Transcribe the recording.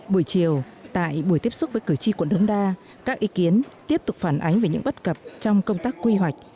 buổi chiều tại buổi tiếp xúc với cử tri quận đống đa các ý kiến tiếp tục phản ánh về những bất cập trong công tác quy hoạch